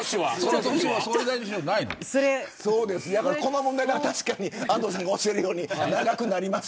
この問題は確かに安藤さんがおっしゃるように長くなります